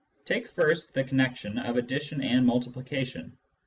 Take first the connection of addition and multiplication.